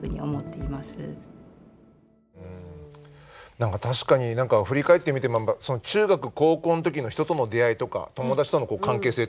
何か確かに振り返ってみても中学高校の時の人との出会いとか友達との関係性ってね